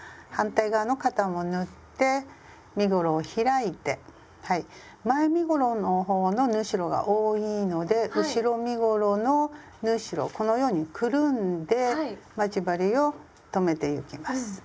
反対側の肩も縫って身ごろを開いて前身ごろの方の縫い代が多いので後ろ身ごろの縫い代をこのようにくるんで待ち針を留めてゆきます。